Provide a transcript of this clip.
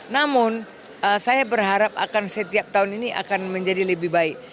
namun saya berharap akan setiap tahun ini akan menjadi lebih baik